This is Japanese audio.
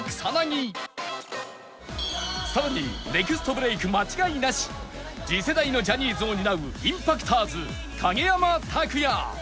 さらにネクストブレーク間違いなし次世代のジャニーズを担う ＩＭＰＡＣＴｏｒｓ 影山拓也